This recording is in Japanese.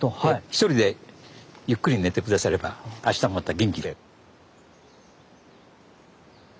一人でゆっくり寝て下さればあしたもまた元気で。